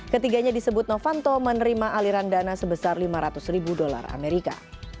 ketiganya disebut novanto menerima aliran dana sebesar lima ratus ribu dolar amerika